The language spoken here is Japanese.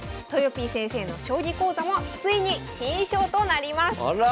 ぴー先生の将棋講座もついに新衣装となりますあら！